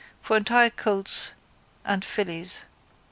For entire colts and fillies.